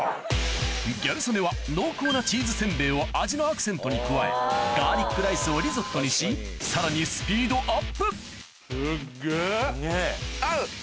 ギャル曽根は濃厚なチーズせんべいを味のアクセントに加えガーリックライスをリゾットにしさらにすっげぇ。